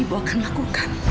ibu akan lakukan